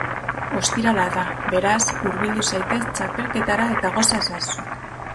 Ostirala da, beraz, hurbildu zaitez txapelketara eta goza ezazu!